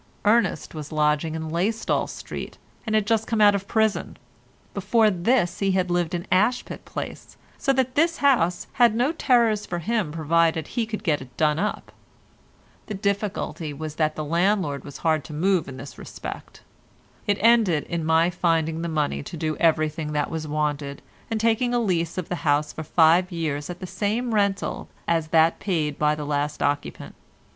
Ernest was lodging in Laystall Street and had just come out of prison; before this he had lived in Ashpit Place so that this house had no terrors for him provided he could get it done up. The difficulty was that the landlord was hard to move in this respect. It ended in my finding the money to do everything that was wanted, and taking a lease of the house for five years at the same rental as that paid by the last occupant.